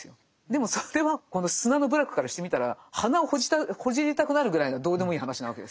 でもそれはこの砂の部落からしてみたら鼻をほじりたくなるぐらいのどうでもいい話なわけですよ。